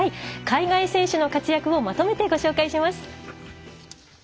海外選手の活躍をまとめてご紹介します。